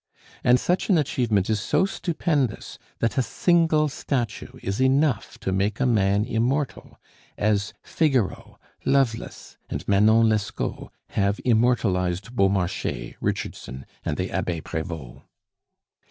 And such an achievement is so stupendous that a single statue is enough to make a man immortal, as Figaro, Lovelace, and Manon Lescaut have immortalized Beaumarchais, Richardson, and the Abbe Prevost.